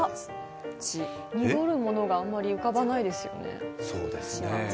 濁るものがあんまり浮かばないですよね